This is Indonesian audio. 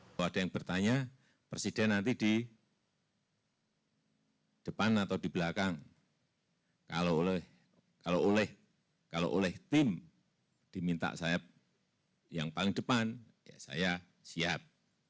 bahwa ada yang bertanya presiden nanti di depan atau di belakang kalau oleh tim diminta saya yang paling depan saya siap